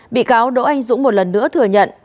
bị cáo đỗ anh dũng một lần nữa thừa nhận